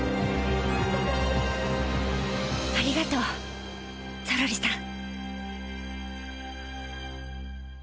ありがとうゾロリさん。